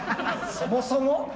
そもそも？